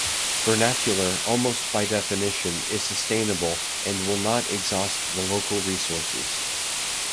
Vernacular, almost by definition, is sustainable, and will not exhaust the local resources.